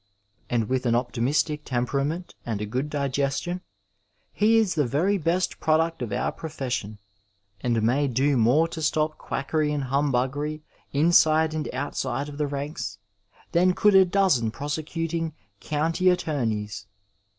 And with an optimistic temperament and a good digestion he is the very best product of our profession, and may do more to stop quackery and humbuggery, inside and outside of the ranks, than could a dozen prosecuting county at torneys.